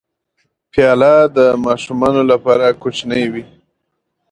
پیاله د ماشومانو لپاره کوچنۍ وي.